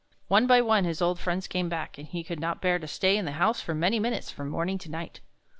One by one his old friends came back, and he could not bear to stay in the house for many minutes from morning to night.